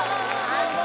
・最高！